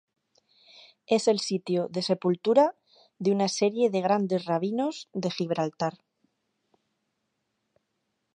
Es el sitio de sepultura de una serie de "Grandes Rabinos" de Gibraltar.